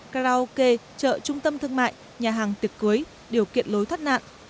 karaoke chợ trung tâm thương mại nhà hàng tiệc cưới điều kiện lối thoát nạn